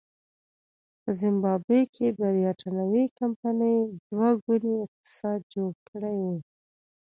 په زیمبابوې کې برېټانوۍ کمپنۍ دوه ګونی اقتصاد جوړ کړی و.